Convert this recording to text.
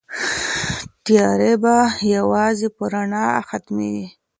تيارې به يوازې په رڼا ختميږي.